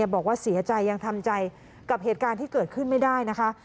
บอกว่าเสียใจยังทำใจกับเหตุการณ์ที่เกิดขึ้นไม่ได้นะคะ